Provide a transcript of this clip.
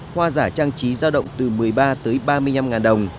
hoa giả trang trí giao động từ một mươi ba tới ba mươi năm ngàn đồng